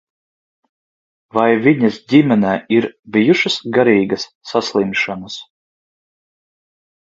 Vai viņas ģimenē ir bijušas garīgas saslimšanas?